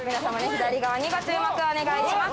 左側にご注目お願いします。